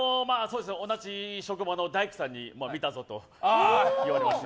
同じ職場の大工さんに見たぞと言われました。